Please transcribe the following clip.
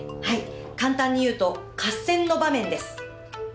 はい簡単に言うと合戦の場面です。